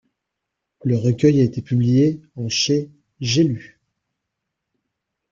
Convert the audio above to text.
Le recueil a été publié en chez J'ai lu.